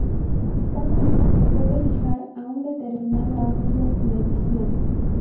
Cada uno se puede fijar a un determinado ángulo de visión.